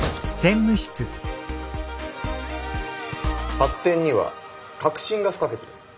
発展には革新が不可欠です。